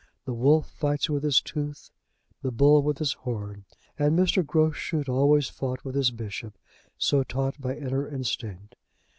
The wolf fights with his tooth, the bull with his horn, and Mr. Groschut always fought with his bishop, so taught by inner instinct.